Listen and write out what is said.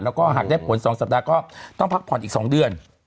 แล้วก็หากได้ผล๒สัปดาห์ก็ต้องพักผ่อนอีก๒เดือน